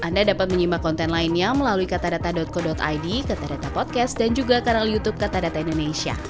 anda dapat menyimak konten lainnya melalui katadata co id katadata podcast dan juga kanal youtube katadata indonesia